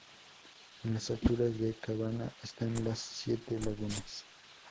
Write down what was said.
En las alturas de Cabana están las siete lagunas.